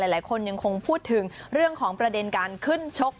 หลายคนยังคงพูดถึงเรื่องของประเด็นการขึ้นชก